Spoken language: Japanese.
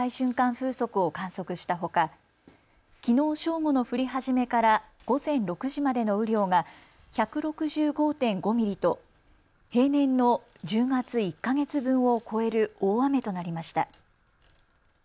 風速を観測したほか、きのう正午の降り始めから午前６時までの雨量が１６５．５ミリと平年の１０月１か月分を超える大雨となりました。